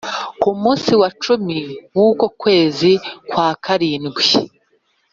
Ku munsi wa cumi w uko kwezi kwa karindwi